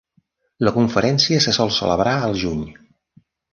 La conferència se sol celebrar al juny.